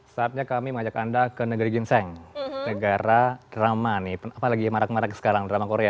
saatnya kami mengajak anda ke negeri ginseng negara drama nih apalagi marak marak sekarang drama korea